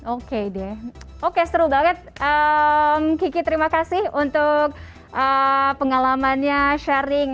oke deh oke seru banget kiki terima kasih untuk pengalamannya sharing